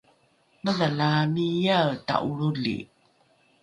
madhalaamiae ta’olroli